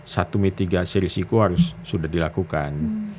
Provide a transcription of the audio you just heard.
satu mitigasi risiko harus sudah dilakukan